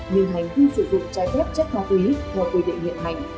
như hành vi sử dụng trái phép chất ma túy theo quy định hiện hành